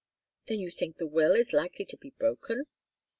"Then you think the will is likely to be broken?"